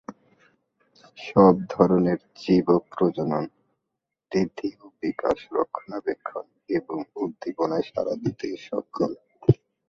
সব ধরনের জীব প্রজনন, বৃদ্ধি ও বিকাশ, রক্ষণাবেক্ষণ এবং উদ্দীপনায় সাড়া দিতে সক্ষম।